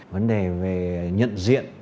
vấn đề về nhận diện